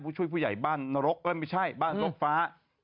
ช่วยผู้ใหญ่บ้านนรกเอ้ยไม่ใช่บ้านรกฟ้า